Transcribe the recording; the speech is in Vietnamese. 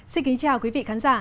xin kính chào quý vị khán giả